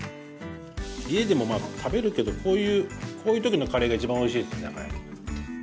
家でもまあ食べるけどこういう時のカレーが一番おいしいです。